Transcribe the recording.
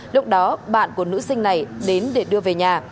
lúc đó bạn của nữ sinh này đến để đưa về nhà